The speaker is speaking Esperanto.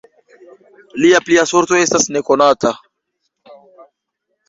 Lia plia sorto estas nekonata.